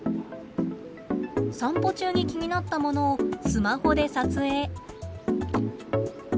散歩中に気になったものをスマホで撮影。